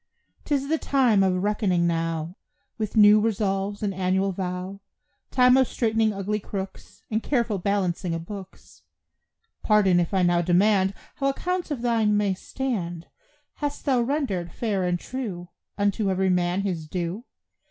'Tis the time of reckoning now, Of new resolves and annual vow; Time of straightening ugly crooks, And careful balancing of books. Pardon if I now demand How accounts of thine may stand; Hast thou rendered, fair and true, Unto every man his due?